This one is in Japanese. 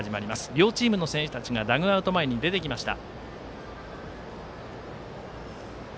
両チームの選手たちがダグアウト前に出てきました。